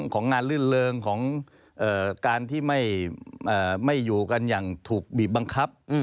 ของงานลื่นเริงของการที่ไม่อยู่กันอย่างถูกบีบบังคับ